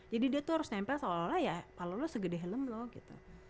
jadi dia tuh harus nempel soalnya ya kepala lo segede helm lo gitu